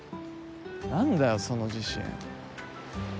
何だよその自信。